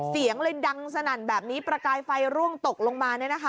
เสียงเลยดังสนั่นแบบนี้ประกายไฟร่วงตกลงมา